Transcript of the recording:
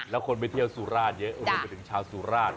แล้วคนไปเที่ยวสุราชเยอะรวมไปถึงชาวสุราช